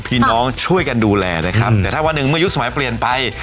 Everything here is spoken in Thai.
พี่น้องช่วยกันดูแลนะครับแต่ถ้าวันหนึ่งเมื่อยุคสมัยเปลี่ยนไป